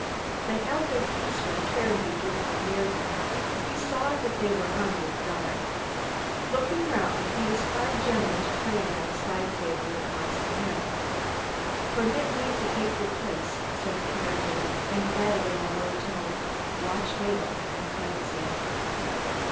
They held their peace when Caranby drifted near them, he saw that they were on their guard. Looking round, he espied Jennings playing at a side table, and crossed to him. "Permit me to take your place," said Caranby, and added in a low tone, "watch Hale and Clancy!"